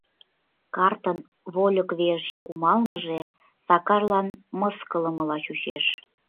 Картын вольык верч кумалмыже Сакарлан мыскылымыла чучеш.